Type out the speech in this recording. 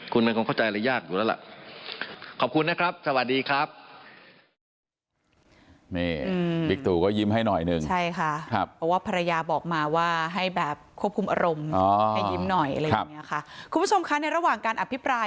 คุณเป็นคนเข้าใจอะไรยากอยู่แล้วล่ะขอบคุณนะครับสวัสดีครับ